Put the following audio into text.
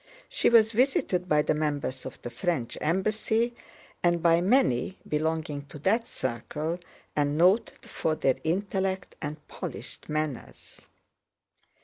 She was visited by the members of the French embassy and by many belonging to that circle and noted for their intellect and polished manners.